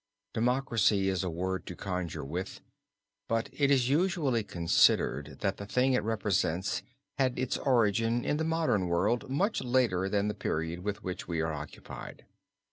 Democracy is a word to conjure with but it is usually considered that the thing it represents had its origin in the modern world much later than the period with which we are occupied.